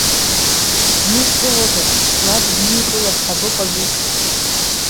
Днызкылодаз, лаб дникылап ҳәа быҟазу.